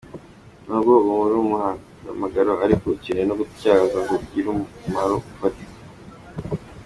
Nubwo uwo ari umuhamagaro ariko ukeneye no gutyazwa ngo ugire umumaro ufatika.